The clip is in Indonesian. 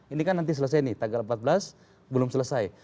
ini kan nanti selesai nih tanggal empat belas belum selesai